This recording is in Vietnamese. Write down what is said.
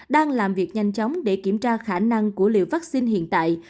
đang làm việc nhanh chóng để kiểm tra khả năng của liều vaccine hiện tại